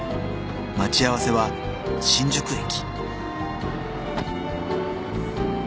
待ち合わせは新宿駅］